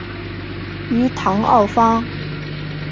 于唐奥方。